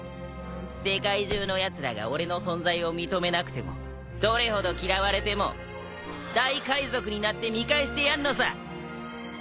世界中のやつらが俺の存在を認めなくてもどれほど嫌われても大海賊になって見返してやんのさ！